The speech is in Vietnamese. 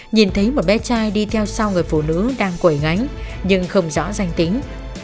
nhìn thấy một bé trai đi theo sau người phụ nữ đang quẩy ngánh nhưng không rõ danh tính